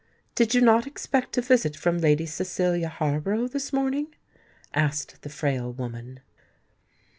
"Did you not expect a visit from Lady Cecilia Harborough this morning?" asked the frail woman.